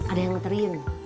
ada yang ngeterin